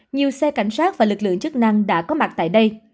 nhiều xe cảnh sát và lực lượng chức năng đã có mặt tại đây